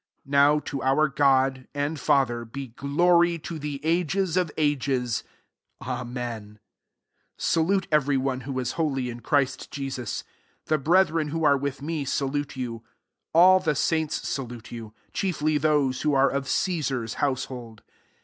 20 Nov to our God, and Father, be glory to the ages of ages* Ami^u 21 Salutb every one tvA^ i» holy in Christ Jesu«. The brc^ ren who are with me, oiitlt» you. 22 All the saints ,$it lute you ; chiefly those wkwpn of Caesar's household.